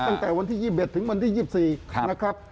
ตั้งแต่วันที่๒๑ถึงวันที่๒๔นะครับ